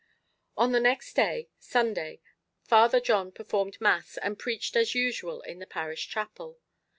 On the next day, Sunday, Father John performed mass and preached as usual in the parish chapel.